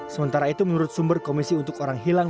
sementara itu menurut sumber komisi untuk orang hilang